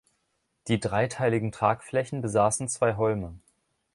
Die dreiteiligen Tragflächen besaßen zwei Holme.